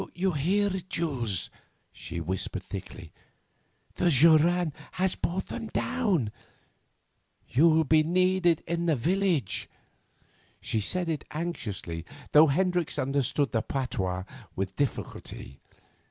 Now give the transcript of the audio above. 'You hear it, Jules?' she whispered thickly. 'The joran has brought them down. You'll be needed in the village.' She said it anxiously, though Hendricks understood the patois with difficulty.